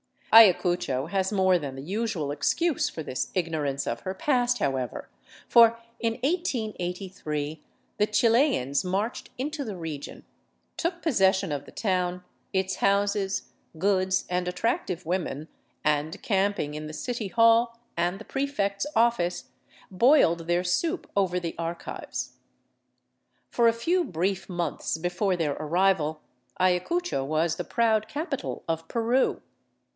Ayacucho has more than the usual excuse for this ignorance of her past, however, for in 1883 the Chilians marched into 385 VAGABONDING DOWN THE ANDES the region, took possession of the town, its houses, goods, and attrac tive women, and, camping in the city hall and the prefect's office, boiled their soup over the archives. For a few brief months before their arrival, Ayacucho was the proud capital of Peru.